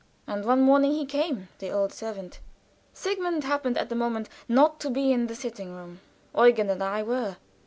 And one morning he came the old servant. Sigmund happened at the moment not to be in the sitting room; Eugen and I were.